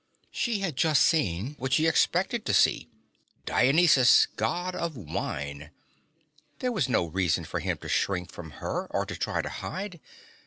She had seen just what she expected to see; Dionysus, God of Wine. There was no reason for him to shrink from her, or try to hide.